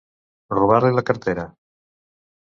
Robar-li la cartera.